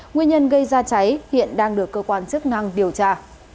nguyên nhân gây ra cháy hiện đang được cơ quan chức năng điều tra